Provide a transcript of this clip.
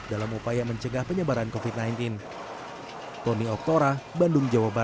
dalam upaya mencegah penyebaran covid sembilan belas